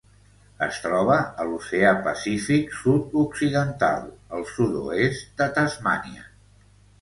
Es troba a l'Oceà Pacífic sud-occidental: el sud-oest de Tasmània.